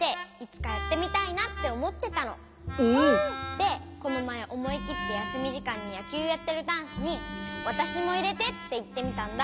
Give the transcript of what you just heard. でこのまえおもいきってやすみじかんにやきゅうやってるだんしに「わたしもいれて」っていってみたんだ。